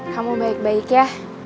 kamu baik baik ya